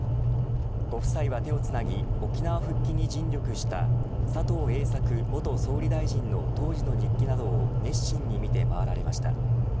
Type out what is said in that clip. ご夫妻は手をつなぎ沖縄復帰に尽力した佐藤栄作元総理大臣の当時の日記などを熱心に見て回られました。